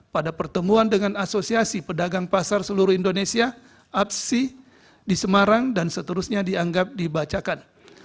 pada pertemuan dengan asosiasi pedagang pasar seluruh indonesia absi di semarang dan seterusnya dianggap dibacakan